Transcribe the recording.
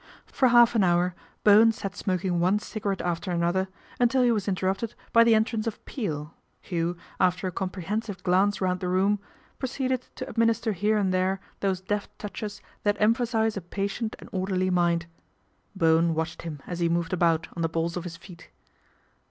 For half an hour Bowen sat smoking one cigarette after another until he was interrupted by the entrance of Peel, who, after a comprehen sive glance round the room, proceeded to administer here and there those deft touches that emphasize a patient and orderly mind. Bowen watched him as he moved about on the balls of his feet.